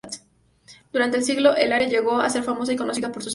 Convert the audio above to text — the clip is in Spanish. Durante el siglo el área llegó a ser famosa y conocida por sus tiendas.